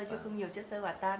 chứ không nhiều chất sơ hỏa tan